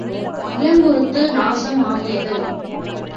இளங்குருத்து நாசம் ஆகியது.